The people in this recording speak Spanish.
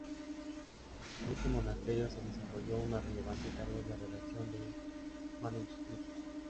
En este monasterio se desarrolló una relevante tarea de redacción de manuscritos.